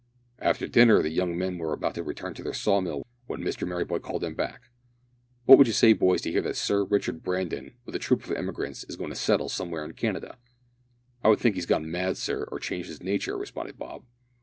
After dinner the young men were about to return to their saw mill when Mr Merryboy called them back. "What would you say, boys, to hear that Sir Richard Brandon, with a troop of emigrants, is going to settle somewhere in Canada?" "I would think he'd gone mad, sir, or changed his nature," responded Bob.